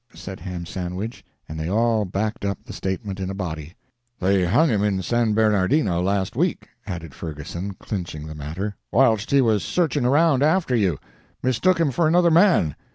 said Ham Sandwich, and they all backed up the statement in a body. "They hung him in San Bernardino last week," added Ferguson, clinching the matter, "whilst he was searching around after you. Mistook him for another man.